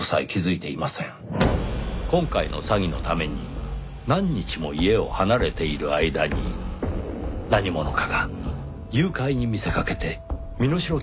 今回の詐欺のために何日も家を離れている間に何者かが誘拐に見せかけて身代金を要求したんです。